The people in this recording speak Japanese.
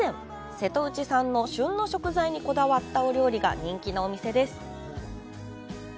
瀬戸内産の、旬の食材にこだわったお料理が人気のお店です。